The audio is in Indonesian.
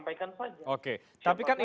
ya sudah sampaikan saja